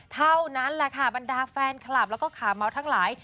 เท่านั้นแหละค่ะบรรดาแฟนคลับแล้วก็ขาเมาส์ทั้งหลาย